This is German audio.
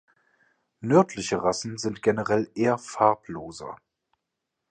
Nördliche Rassen sind generell eher farbloser.